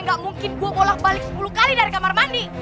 gak mungkin gue bolak balik sepuluh kali dari kamar mandi